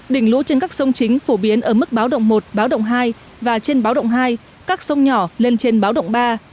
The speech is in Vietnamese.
đỉnh lũ trên các sông chính phổ biến ở mức báo động một báo động hai và trên báo động hai các sông nhỏ lên trên báo động ba